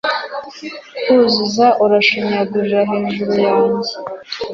kuzuza uranshinyagurira hejuru yanjye